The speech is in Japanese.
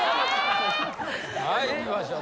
はいいきましょう。